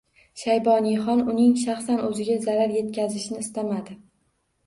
Shayboniyxon uning shaxsan o‘ziga zarar etkazishni istamaydi.